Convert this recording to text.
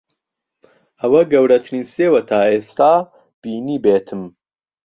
ئەوە گەورەترین سێوە تا ئێستا بینیبێتم.